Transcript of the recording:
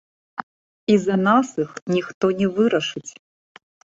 І за нас іх ніхто не вырашыць.